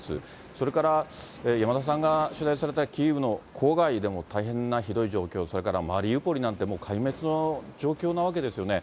それから山田さんが取材されたキーウの郊外でも大変なひどい状況、それからマリウポリなんてもう壊滅の状況なわけですよね。